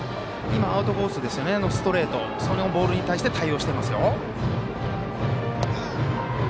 アウトコースのストレートそのボールに対して対応していますよ。